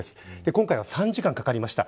今回は３時間かかりました。